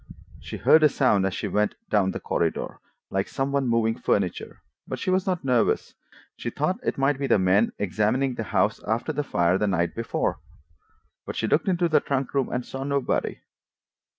She heard a sound as she went down the corridor, like some one moving furniture, but she was not nervous. She thought it might be men examining the house after the fire the night before, but she looked in the trunk room and saw nobody.